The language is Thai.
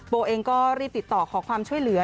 โอเองก็รีบติดต่อขอความช่วยเหลือ